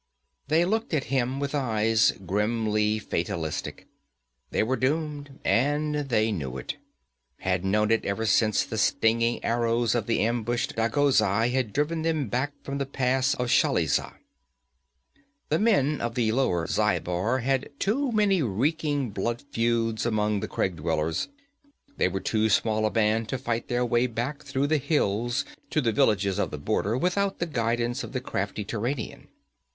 They looked at him with eyes grimly fatalistic. They were doomed and they knew it had known it ever since the singing arrows of the ambushed Dagozai had driven them back from the pass of Shalizah. The men of the lower Zhaibar had too many reeking bloodfeuds among the crag dwellers. They were too small a band to fight their way back through the hills to the villages of the border, without the guidance of the crafty Turanian.